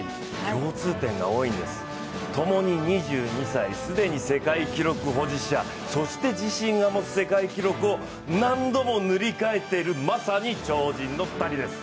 共通点が多いんです、ともに２２歳、既に世界記録保持者、そして自身が持つ世界記録を、何度も塗り替えているまさに超人の２人です。